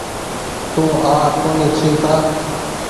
تو آ ڪونيٚ ڇي ڪآ۔